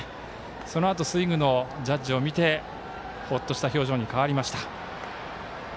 そのあとスイングのジャッジを見てほっとした表情に変わりました。